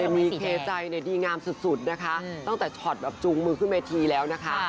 มีเคใจดีงามสุดนะคะตั้งแต่ช็อตแบบจูงมือขึ้นเวทีแล้วนะคะ